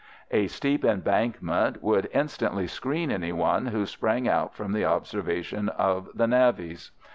A steep embankment would instantly screen anyone who sprang out from the observation of the navvies.